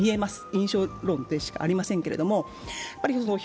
印象論でしかありませんけれども。